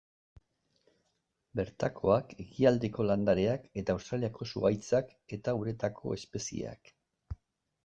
Bertakoak, ekialdeko landareak eta Australiako zuhaitzak, eta uretako espezieak.